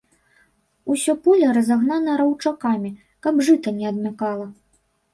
Усё поле разагнана раўчакамі, каб жыта не адмякала.